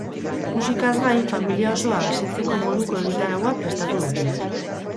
Musikaz gain, familia osoa astetzeko moduko egitaraua prestatu dute.